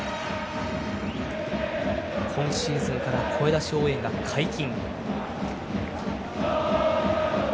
今シーズンから声出し応援が解禁。